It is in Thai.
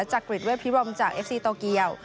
จากกรีดเวลพิบัมจากเอฟซีโตเกียล